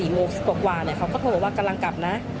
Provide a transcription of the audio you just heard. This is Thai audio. ๔โมงกว่าเขาก็โทรว่ากำลังกลับนะ